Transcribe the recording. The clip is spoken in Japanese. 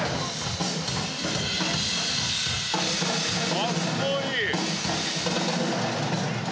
かっこいい。